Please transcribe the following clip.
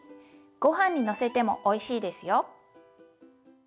ごはんにのせてもおいしいですよ。